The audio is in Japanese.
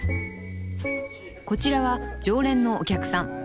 こちらは常連のお客さん。